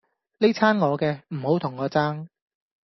哩餐我嘅，唔好同我爭